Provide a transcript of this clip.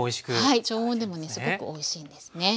はい常温でもねすごくおいしいんですね。